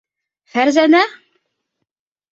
Фәрзәнә?!